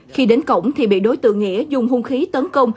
khi đến cổng thì bị đối tượng nghĩa dùng hung khí tấn công